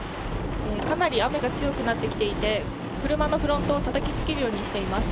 かなり雨が強くなってきていて車をフロントをたたきつけるようになっています。